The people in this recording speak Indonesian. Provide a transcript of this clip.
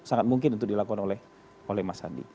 sangat mungkin untuk dilakukan oleh mas andi